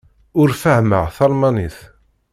Ur fehhmeɣ talmanit.